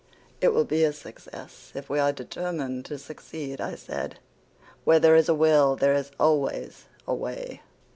"It will be a success if we are determined to succeed," I said. "'Where there is a will there is always a way.